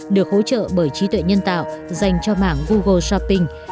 được hỗ trợ bởi trí tuệ nhân tạo dành cho mảng google shopping